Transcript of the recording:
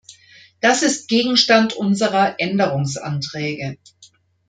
Das ist Gegenstand unserer Änderungsanträge.